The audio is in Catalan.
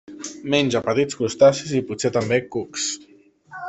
Menja petits crustacis i, potser també, cucs.